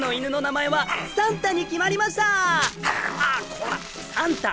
こらサンタ！